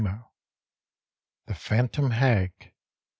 THE PHANTOM HAG.